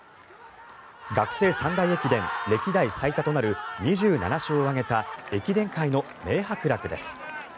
学生三大駅伝歴代最多となる２７勝を挙げた駅伝界の名伯楽です。